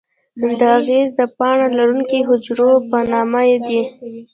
دا آخذې د باڼه لرونکي حجرو په نامه دي.